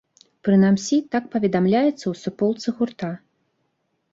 Прынамсі так паведамляецца ў суполцы гурта.